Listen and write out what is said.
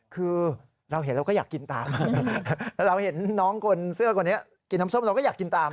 คือเราเห็นเราก็อยากกินตามเราเห็นน้องคนเสื้อคนนี้กินน้ำส้มเราก็อยากกินตาม